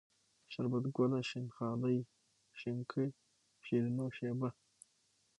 شربت گله ، شين خالۍ ، شينکۍ ، شيرينو ، شېبه